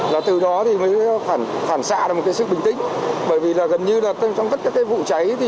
là từ đó thì mới phản xạ được một cái sức bình tĩnh bởi vì là gần như là trong các cái vụ cháy thì